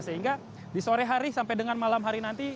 sehingga di sore hari sampai dengan malam hari nanti